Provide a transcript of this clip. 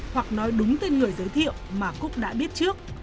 hoặc nói đúng tên người giới thiệu mà cúc đã biết trước